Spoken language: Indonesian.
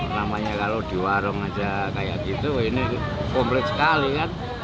namanya kalau di warung aja kayak gitu ini komplit sekali kan